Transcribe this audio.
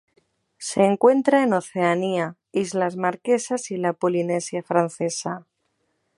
Se encuentra en Oceanía: Islas Marquesas y la Polinesia Francesa.